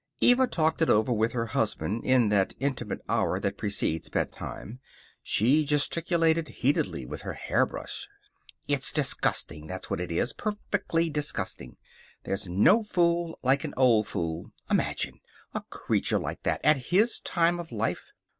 Eva talked it over with her husband in that intimate hour that precedes bedtime. She gesticulated heatedly with her hairbrush. "It's disgusting, that's what it is. Perfectly disgusting. There's no fool like an old fool. Imagine! A creature like that. At his time of life."